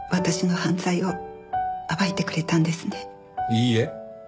いいえ。